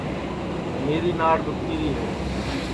میری ناڑ دُؔکھی ری ہے